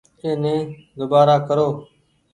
ايني ۮوبآرآ ڪرو ۔